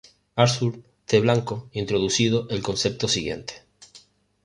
Arthur T. Blanco introducido el concepto siguiente.